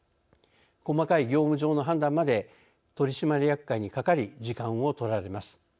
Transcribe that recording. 細かい業務上の判断まで取締役会にかかり時間を取られます。